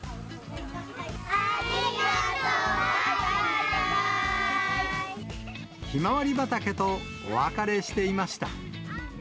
ありがとう、ひまわり畑とお別れしていました。